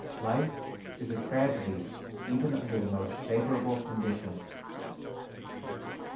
Life is a tragedy even under the most favorable conditions.